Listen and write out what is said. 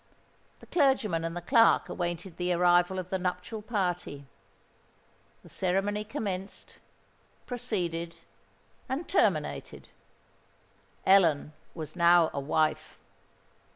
The clergyman and the clerk awaited the arrival of the nuptial party. The ceremony commenced—proceeded—and terminated. Ellen was now a wife!